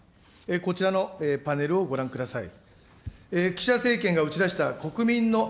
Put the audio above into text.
こちらのパネルをご覧ください。